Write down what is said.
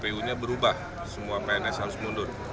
pernahnya berubah semua pns harus mundur